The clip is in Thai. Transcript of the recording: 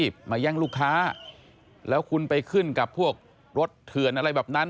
เผื่อรถเผื่อนอะไรแบบนั้น